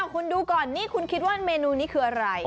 คุณดูก่อนนี่คุณคิดว่าเมนูนี้คืออะไร